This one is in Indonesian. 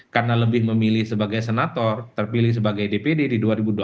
karena lebih memilih sebagai senator terpilih sebagai dpd di dua ribu dua puluh empat